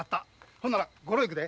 ほんならゴロいくで。